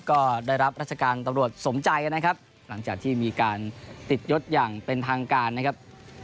ก็ได้รับราชการตำรวจสมใจนะครับหลังจากที่มีการติดยศอย่างเป็นทางการนะครับ